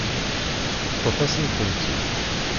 Teṭṭef-asen-tent-id.